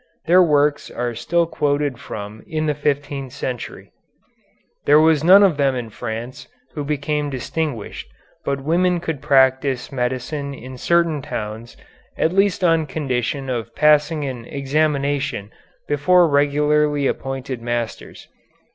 Their works are still quoted from in the fifteenth century. "There was none of them in France who became distinguished, but women could practise medicine in certain towns at least on condition of passing an examination before regularly appointed masters.